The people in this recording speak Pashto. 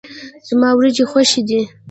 زما وريجي خوښي دي.